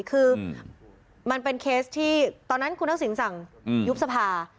คือมันเป็นเคสที่ตอนนั้นคุณทักษิณสั่งยุบสภา